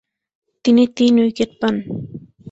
তিনি তিন উইকেট পান।